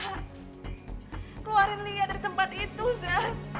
keluarin lia dari tempat itu zat